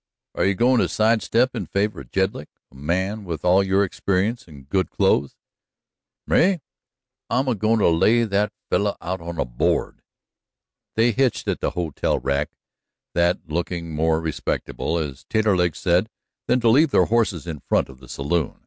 "Are you goin' to sidestep in favor of Jedlick? A man with all your experience and good clothes!" "Me? I'm a goin' to lay that feller out on a board!" They hitched at the hotel rack, that looking more respectable, as Taterleg said, than to leave their horses in front of the saloon.